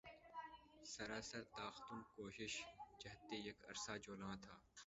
سراسر تاختن کو شش جہت یک عرصہ جولاں تھا